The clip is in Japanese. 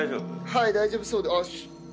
はい大丈夫そうであっ。